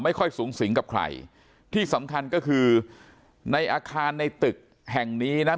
ไม่ค่อยสูงสิงกับใครที่สำคัญก็คือในอาคารในตึกแห่งนี้นะ